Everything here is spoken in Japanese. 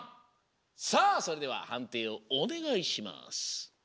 さあそれでははんていをおねがいします。